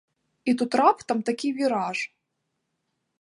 І тут раптам такі віраж.